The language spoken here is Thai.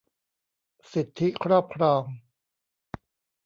สิทธิครอบครอง